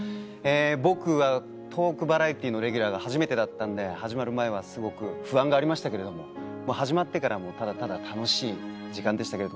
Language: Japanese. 僕はトークバラエティーのレギュラーが初めてだったんで始まる前はすごく不安がありましたけれども始まってからはただただ楽しい時間でしたけれども。